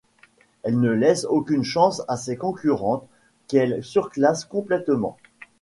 Elle ne laisse aucune chance à ses concurrentes qu'elle surclasse complètement.